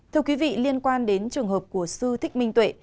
thưa quý vị liên quan đến trường hợp của sư thích minh tuệ